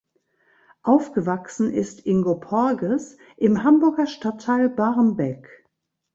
Aufgewachsen ist Ingo Porges im Hamburger Stadtteil Barmbek.